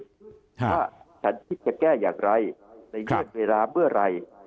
ว่าฉันคิดจะแก้อย่างไรในเวลาเมื่อไร